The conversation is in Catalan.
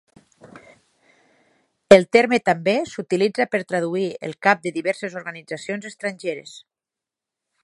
El terme també s'utilitza per traduir el cap de diverses organitzacions estrangeres.